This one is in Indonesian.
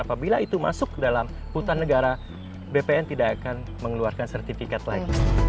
apabila itu masuk dalam hutan negara bpn tidak akan mengeluarkan sertifikat lagi